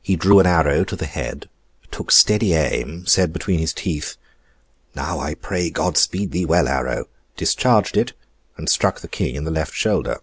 He drew an arrow to the head, took steady aim, said between his teeth, 'Now I pray God speed thee well, arrow!' discharged it, and struck the King in the left shoulder.